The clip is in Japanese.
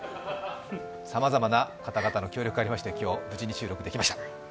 さまざまな方々の協力がありまして、今日無事に収録できました。